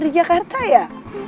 di jakarta ya